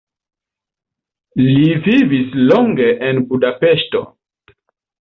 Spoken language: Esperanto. Li vivis longe en Budapeŝto.